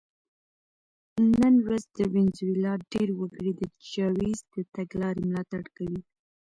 نن ورځ د وینزویلا ډېر وګړي د چاوېز د تګلارې ملاتړ کوي.